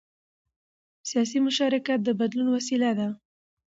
سیاسي مشارکت د بدلون وسیله ده